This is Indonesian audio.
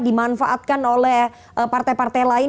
dimanfaatkan oleh partai partai lain